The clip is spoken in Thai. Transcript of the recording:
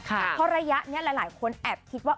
เพราะระยะนี้หลายคนแอบคิดว่า